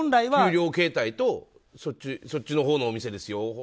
給料形態とそっちのほうのお店ですよ